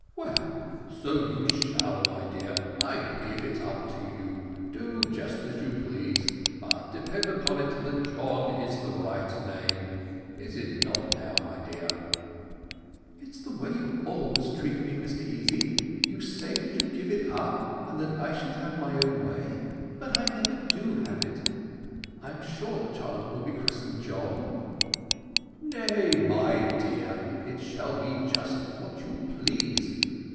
"Well, so you shall, my dear; I give it up to you. Do just as you please; but depend upon it that John is the right name. Is it not now, my dear?" "It's the way you always treat me, Mr Easy; you say that you give it up, and that I shall have my own way, but I never do have it. I am sure that the child will be christened John." "Nay, my dear, it shall be just what you please.